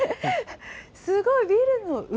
すごい、ビルの上？